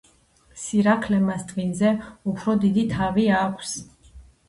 სირაქლემას ტვინზე უფრო დიდი თვალი აქვს.